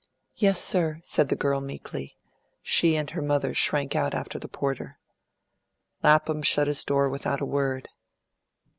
"Yes, sir," said the girl meekly; she and her mother shrank out after the porter. Lapham shut his door without a word.